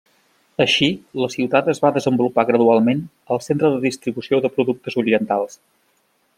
Així, la ciutat es va desenvolupar gradualment al centre de distribució de productes orientals.